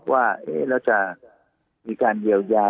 ว่าเราจะมีการเยียวยา